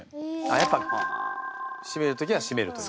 やっぱ締める時は締めるという。